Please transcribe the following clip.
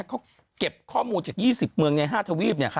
เขาเก็บข้อมูลจาก๒๐เมืองใน๕ทวีป